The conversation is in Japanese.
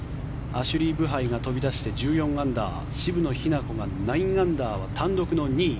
アシュリー・ブハイが飛び出して１４アンダー渋野日向子が９アンダーは単独の２位。